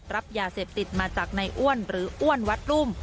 รับยาเสพติดมาจากในอ้วนหรืออ้วนวัดรุ่ม